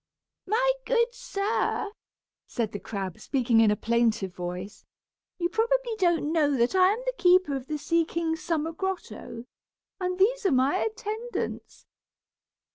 "My good sir," said the crab, speaking in a plaintive voice, "you probably don't know that I am the keeper of the sea king's summer grotto, and these are my attendants.